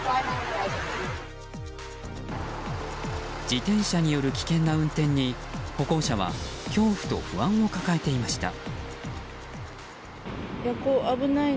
自転車による危険な運転に歩行者は恐怖と不安を抱えていました。